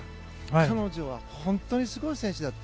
彼女は本当にすごい選手だって。